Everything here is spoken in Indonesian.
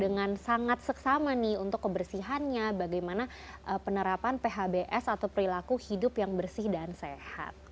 dengan sangat seksama nih untuk kebersihannya bagaimana penerapan phbs atau perilaku hidup yang bersih dan sehat